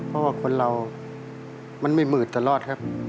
เพราะว่าคนเรามันไม่มืดตลอดครับ